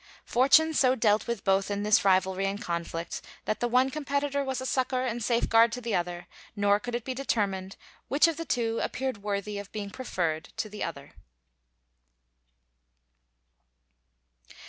Fortune so dealt with both in this rivalry and conflict, that the one competitor was a succor and a safeguard to the other; nor could it be determined which of the two appeared worthy of being preferred to the other.